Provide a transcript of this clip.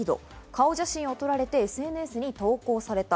顔写真を撮られてＳＮＳに投稿された。